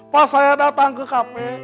pas saya datang ke kafe